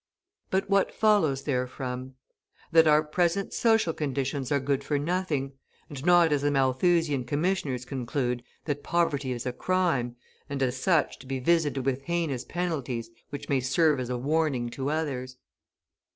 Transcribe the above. But what follows therefrom? That our present social conditions are good for nothing, and not as the Malthusian Commissioners conclude, that poverty is a crime, and, as such, to be visited with heinous penalties which may serve as a warning to others.